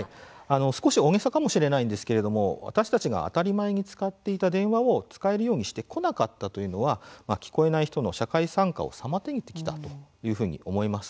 少し大げさかもしれませんが私たちが当たり前に使っていた電話を使えるようにしてこなかったというのは聞こえない人の社会参加を妨げてきたというふうに思います。